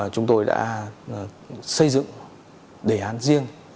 chúng tôi đã xây dựng đề án riêng